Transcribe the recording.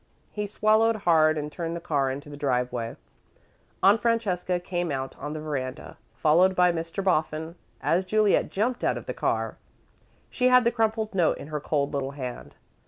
He swallowed hard and turned the car into the driveway. Aunt Francesca came out on the veranda, followed by Mr. Boffin, as Juliet jumped out of the car. She had the crumpled note in her cold little hand.